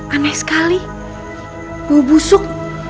aneh sekali bau busuk